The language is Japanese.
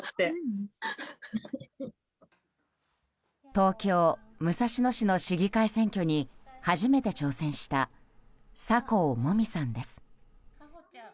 東京・武蔵野市の市議会選挙に初めて挑戦した酒向萌実さんです。